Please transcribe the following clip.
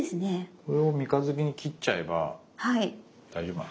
これを三日月に切っちゃえば大丈夫なんですかね？